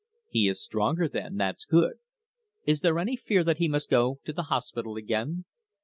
"He is stronger, then that's good. Is there any fear that he must go to the hospital again?"